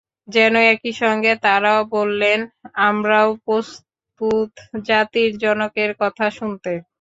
যেন একই সঙ্গে তারাও বললেন, আমরাও প্রস্তুত জাতির জনকের কথা শুনতে।